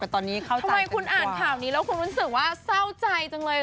ทำไมคุณอ่านข่าวนี้แล้วคุณรู้สึกว่าเศร้าใจจังเลย